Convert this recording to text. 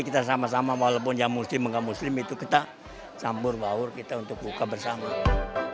kita sama sama walaupun yang muslim dengan muslim itu kita campur baur kita untuk buka bersama